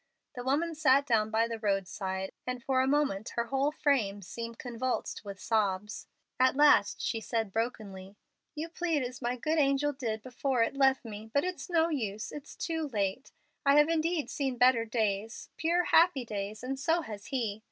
The woman sat down by the roadside, and for a moment her whole frame seemed convulsed with sobs. At last she said, brokenly, "You plead as my good angel did before it left me but it's no use it's too late. I have indeed seen better days, pure, happy days; and so has he.